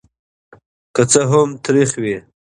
که څه هم تریخ وي.